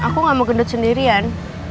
aku gak mau gendut sendirian